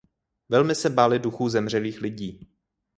Velmi se báli duchů zemřelých lidí.